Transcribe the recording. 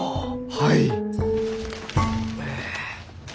はい。